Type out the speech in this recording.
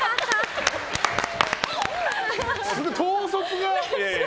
すごい統率が！